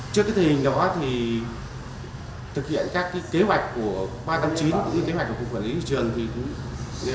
trước thời hình đó thực hiện các kế hoạch của ba chín kế hoạch của cục quản lý thị trường